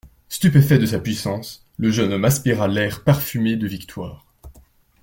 Stupéfait de sa puissance, le jeune homme aspira l'air parfumé de victoire.